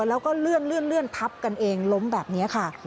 แล้วก็เลื่อนทับกันเองล้มแบบนี้ค่ะ